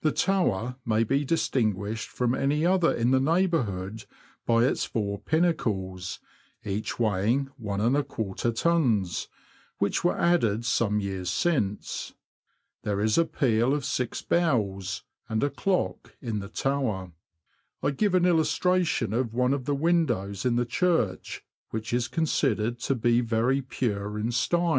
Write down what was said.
The tower may be distinguished from any other in the neighbourhood by its four pinnacles, each weighing \\ tons, which were added some years since. There is a peal of six bells, and a clock, in the tower. I give an illustration of one of the windows in the church, which is considered to be very pure in style.